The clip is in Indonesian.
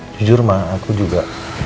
jujur mah aku juga